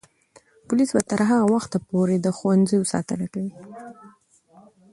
پولیس به تر هغه وخته پورې د ښوونځیو ساتنه کوي.